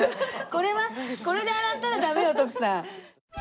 これはこれで洗ったらダメよ徳さん。